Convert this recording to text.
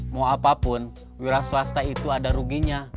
mau apapun wira swasta itu ada ruginya